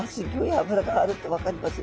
脂があるって分かります。